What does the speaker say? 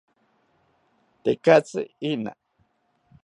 Tekatzi iina